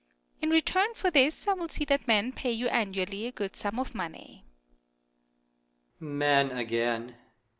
In return for this, I will see that men pay you annually a good sum of money. Moon. Men^ again